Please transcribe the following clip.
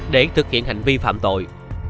để thực hiện hành vi phạm tội